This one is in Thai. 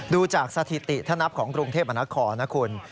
ดูจากสถิติถ้านับของกรุงเทพมนาคมนะคุณ